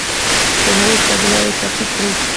د هغوی تګلارې تعقیب کړئ.